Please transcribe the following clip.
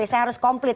saya harus komplit